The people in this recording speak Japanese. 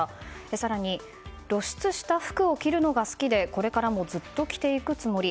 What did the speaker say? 更に露出した服を着るのが好きでこれからもずっと着ていくつもり。